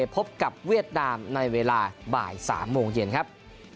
พบกับเวียดนามในเวลาบ่าย๓โมงเย็นครับ